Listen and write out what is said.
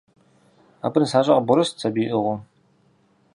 Абы нысащӏэ къыбгъурыст сабий иӏыгъыу.